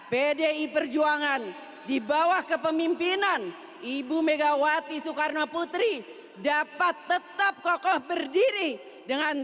pdi perjuangan di bawah kepemimpinan ibu megawati soekarno putri dapat tetap kokoh berdiri dengan